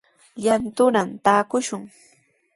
Llantutraw taakushun.